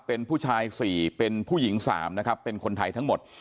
เป็นผู้ชาย๔เป็นผู้หญิง๓นะครับเป็นคนไทยทั้งหมด